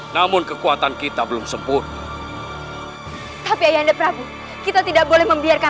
namun kekuatan kita belum sempurna tapi ayah anda prabu kita tidak boleh membiarkan